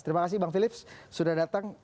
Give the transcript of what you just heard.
terima kasih bang philips sudah datang